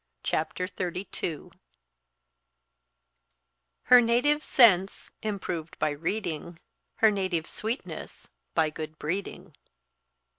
CHAPTER XXXII "Her native sense improved by reading, Her native sweetness by good breeding."